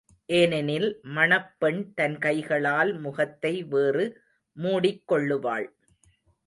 ஏனெனில் மணப்பெண் தன் கைகளால் முகத்தை வேறு மூடிக்கொள்ளுவாள்.